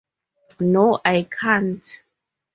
No, I can't.